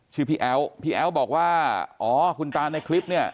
พี่แอ๋วพี่แอ๋วบอกว่าอ๋อคุณตาในคลิปเนี่ย